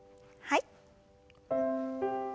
はい。